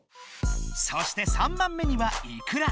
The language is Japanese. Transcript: そして３番目にはいくら。